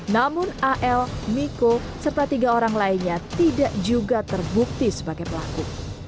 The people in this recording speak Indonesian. namun al miko serta tiga orang lainnya tidak juga terbukti sebagai pelaku